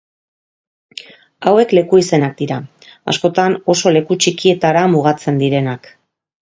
Hauek leku-izenak dira, askotan oso leku txikietara mugatzen direnak.